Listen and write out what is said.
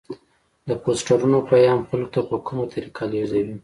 د پوسټرونو پیام خلکو ته په کومه طریقه لیږدوي؟